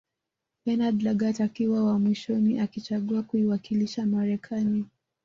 Bernard Lagat akiwa wa mwishoni akichagua kuiwakilisha Marekani